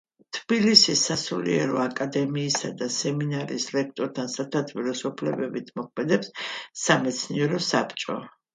თბილისის სასულიერო აკადემიისა და სემინარიის რექტორთან სათათბიროს უფლებებით მოქმედებს სამეცნიერო საბჭო.